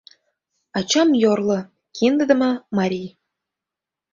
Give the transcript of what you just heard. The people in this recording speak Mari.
Ачам йорло, киндыдыме марий...